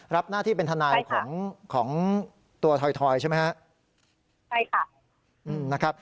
รับหน้าที่เป็นทนายของของตัวถอยใช่ไหมฮะใช่ค่ะนะครับ